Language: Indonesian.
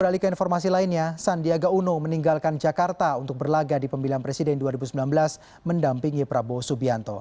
beralih ke informasi lainnya sandiaga uno meninggalkan jakarta untuk berlaga di pemilihan presiden dua ribu sembilan belas mendampingi prabowo subianto